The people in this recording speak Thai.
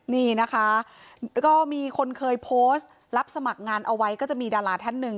นี่นะคะก็มีคนเคยโพสต์รับสมัครงานเอาไว้ก็จะมีดาราท่านหนึ่ง